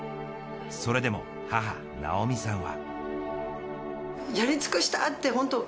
それでも、母、直美さんは。